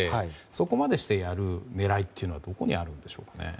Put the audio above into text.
そこまでしてやる狙いはどこにあるんでしょうね。